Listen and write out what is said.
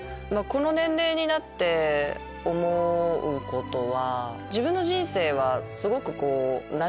この年齢になって思うことは。